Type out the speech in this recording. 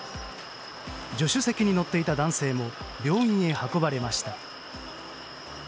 助手席に乗っていた男性も病院へ運ばれました。